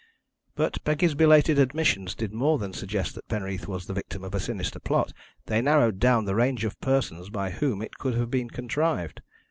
"But Peggy's belated admissions did more than suggest that Penreath was the victim of a sinister plot they narrowed down the range of persons by whom it could have been contrived.